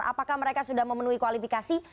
apakah mereka sudah memenuhi kualifikasi